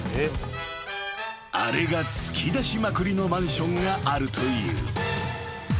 ［あれが突き出しまくりのマンションがあるという］